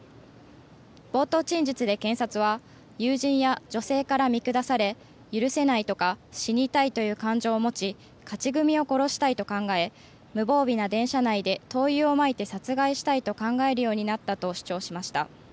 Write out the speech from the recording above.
冒頭陳述で検察は友人や女性から見下され許せないとか死にたいという感情を持ち勝ち組を殺したいと考え無防備な電車内で灯油をまいて殺害したいと考えるようになったと主張しました。